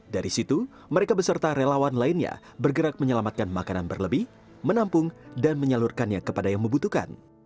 dari situ mereka beserta relawan lainnya bergerak menyelamatkan makanan berlebih menampung dan menyalurkannya kepada yang membutuhkan